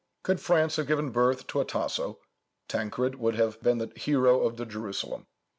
Could France have given birth to a Tasso, Tancred would have been the hero of the Jerusalem.